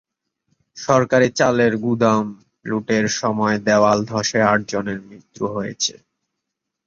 একটি সরকারি চালের গুদাম লুটের সময় দেয়াল ধসে আটজনের মৃত্যু হয়েছে।